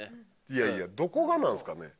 いやいやどこがなんすかね？